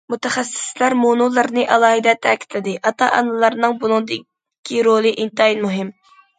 مۇتەخەسسىسلەر مۇنۇلارنى ئالاھىدە تەكىتلىدى: ئاتا- ئانىلارنىڭ بۇنىڭدىكى رولى ئىنتايىن مۇھىم.